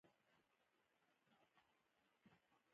چاودنه د انرژۍ په تیز بدلون رامنځته کېږي.